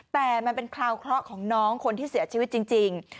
แต่มันเป็นคราวเคราะห์ของน้องคนที่เสียชีวิตจริง